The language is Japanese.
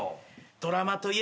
ドラマといえばさ。